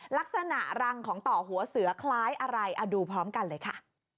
ลักษณะรังของต่อหัวเสือคล้ายอะไรเอาดูพร้อมกันเลยค่ะ